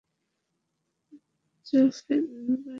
Joseph বাড়িতে নেই।